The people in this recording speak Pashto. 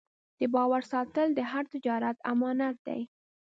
د باور ساتل د هر تجارت امانت دی.